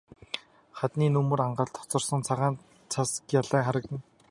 Хадны нөмөр ангалд хоцорсон цагаан цас гялайн харагдана.